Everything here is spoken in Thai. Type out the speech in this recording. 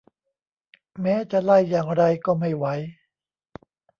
แม้จะไล่อย่างไรก็ไม่ไหว